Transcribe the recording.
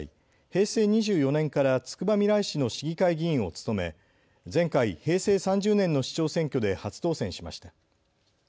平成２４年からつくばみらい市の市議会議員を務め前回、平成３０年の市長選挙で初当選しました。